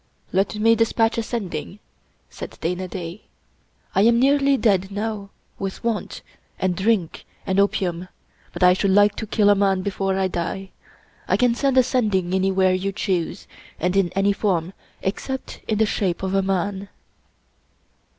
" Let me dispatch a Sending," said Dana Da ;" I am nearly dead now with want, and drink, and opium ; but I should like to kill a man before I die. I can send a Send ing anywhere you choose, and in any form except in the shape of a man."